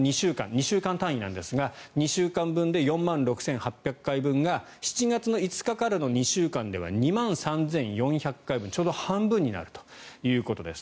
２週間単位なんですが２週間分で４万６８００回分が７月５日からの２週間では２万３４００回分ちょうど半分になるということです。